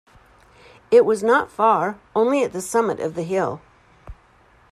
It was not far, only at the summit of the hill.